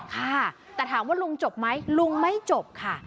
ค่ะแต่ถามว่าลุงจบไหมลุงไม่จบค่ะ